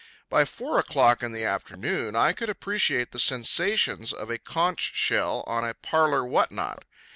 By four o'clock in the afternoon I could appreciate the sensations of a conch shell on a parlor whatnot.